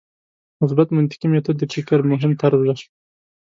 مثبت منطقي میتود د فکر مهم طرز دی.